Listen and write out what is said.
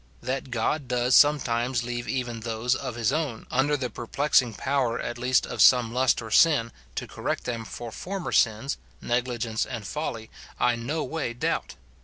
That God does sometimes leave even those of his own under the perplexing power at least of some lust or sin, to correct them for former sins, negligence, and folly, I no way doubt.